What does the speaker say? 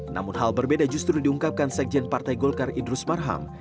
namun hal berbeda justru diungkapkan sekjen partai golkar idrus marham